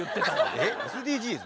えＳＤＧｓ？